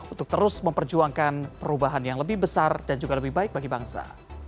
untuk terus memperjuangkan perubahan yang lebih besar dan juga lebih baik bagi bangsa